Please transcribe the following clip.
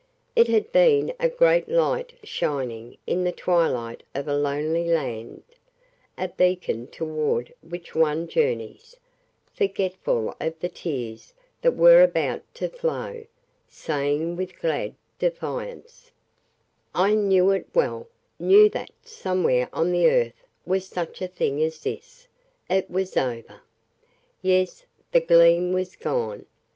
It had been a great light shining in the twilight of a lonely land, a beacon toward which one journeys, forgetful of the tears that were about to flow, saying with glad defiance: "I knew it well knew that somewhere on the earth was such a thing as this ..." It was over. Yes, the gleam was gone.